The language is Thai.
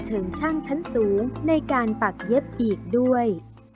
เชิงช่างชั้นสูงในการปักเย็บอีกด้วย